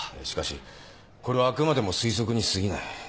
しかしこれはあくまでも推測に過ぎない。